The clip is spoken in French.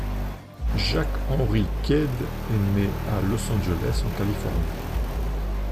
Jack Henry Quaid est né à Los Angeles, en Californie.